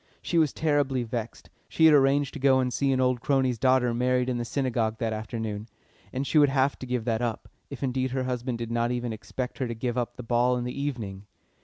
She was terribly vexed she had arranged to go and see an old crony's daughter married in the Synagogue that afternoon, and she would have to give that up, if indeed her husband did not even expect her to give up the ball in the evening.